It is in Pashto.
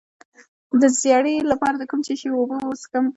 د ژیړي لپاره د کوم شي اوبه وڅښم؟